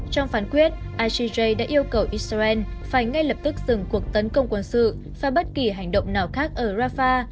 trong phán quyết ishij đã yêu cầu israel phải ngay lập tức dừng cuộc tấn công quân sự và bất kỳ hành động nào khác ở rafah